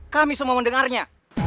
kami semua mendengarnya